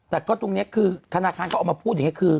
แต่ก็ตรงนี้คือธนาคารเขาออกมาพูดอย่างนี้คือ